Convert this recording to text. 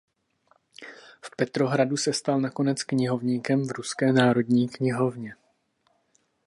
V Petrohradu se stal nakonec knihovníkem v Ruské národní knihovně.